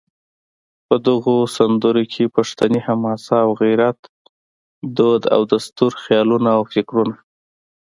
په دغو سندرو کې پښتني حماسه او غیرت، دود او دستور، خیالونه او فکرونه